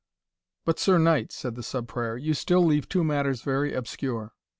"But, Sir Knight," said the Sub Prior, "you still leave two matters very obscure.